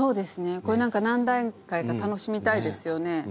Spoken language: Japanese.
これ何か何段階か楽しみたいですよね。